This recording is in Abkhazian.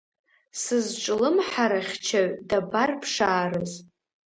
Сызҿлымҳарахьчаҩ дабарԥшаарыз?